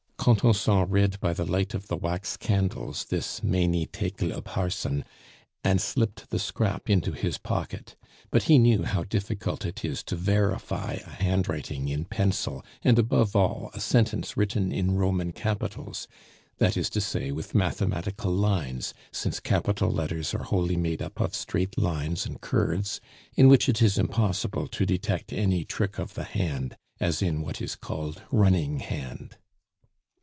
Contenson read by the light of the wax candles this "Mene, Tekel, Upharsin," and slipped the scrap into his pocket; but he knew how difficult it is to verify a handwriting in pencil, and, above all, a sentence written in Roman capitals, that is to say, with mathematical lines, since capital letters are wholly made up of straight lines and curves, in which it is impossible to detect any trick of the hand, as in what is called running hand.